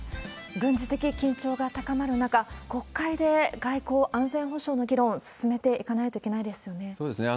軍事的緊張が高まる中、国会で外交・安全保障の議論を進めていかないといけないですよね。